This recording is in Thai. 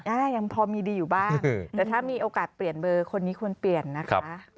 อ่ายังพอมีดีอยู่บ้างแต่ถ้ามีโอกาสเปลี่ยนเบอร์คนนี้ควรเปลี่ยนนะคะ